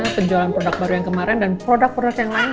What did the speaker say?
penjualan produk baru yang kemarin dan produk produk yang lain